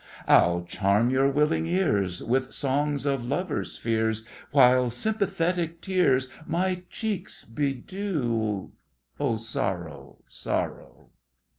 I'll charm your willing ears With songs of lovers' fears, While sympathetic tears My cheeks bedew— Oh, sorrow, sorrow!